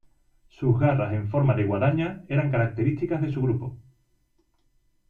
Sus garras en forma de guadaña eran características de su grupo.